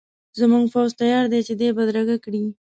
زموږ پوځ تیار دی چې دی بدرګه کړي.